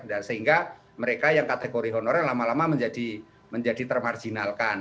dan sehingga mereka yang kategori honorer lama lama menjadi termarginalkan